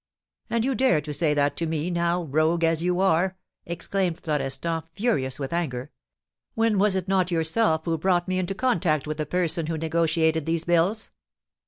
"And you dare to say that to me, now, rogue as you are," exclaimed Florestan, furious with anger, "when was it not you yourself who brought me into contact with the person who negotiated these bills?"